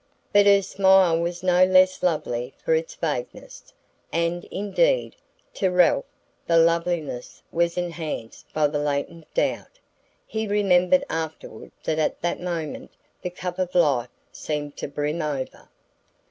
But her smile was no less lovely for its vagueness, and indeed, to Ralph, the loveliness was enhanced by the latent doubt. He remembered afterward that at that moment the cup of life seemed to brim over.